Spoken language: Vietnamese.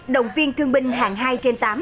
động viên thương binh hạng hai trên tám